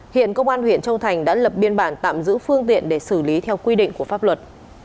hiện công an huyện châu thành đã lập biên bản tạm giữ phương tiện để xử lý theo quy định của pháp luật